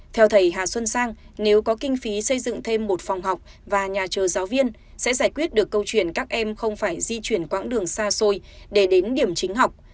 theo thầy hà xuân sang nếu có kinh phí xây dựng thêm một phòng học và nhà chờ giáo viên sẽ giải quyết được câu chuyện các em không phải di chuyển quãng đường xa xôi để đến điểm chính học